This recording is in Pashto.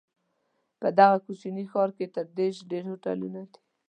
په دغه کوچني ښار کې تر دېرش ډېر هوټلونه دي.